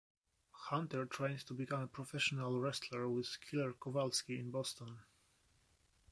Hunter trained to become a professional wrestler with Killer Kowalski in Boston.